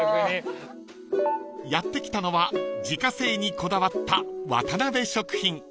［やって来たのは自家製にこだわった渡辺食品］